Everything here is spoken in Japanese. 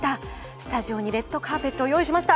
スタジオにレッドカーペットを用意しました。